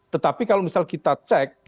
tetapi kalau misal kita cek